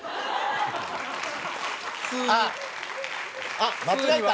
あっ間違えた。